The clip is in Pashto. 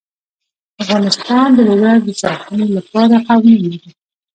افغانستان د لوگر د ساتنې لپاره قوانین لري.